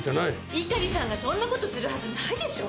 猪狩さんがそんな事するはずないでしょ！